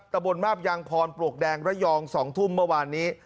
ตะบนมาบยางพรปลวกแดงระยอง๒ทุ่มเมื่อวานนี้